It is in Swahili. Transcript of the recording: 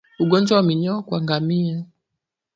Ugonjwa wa minyoo kwa ngamia